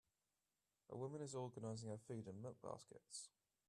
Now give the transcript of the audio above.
A woman is organizing her food in milk baskets.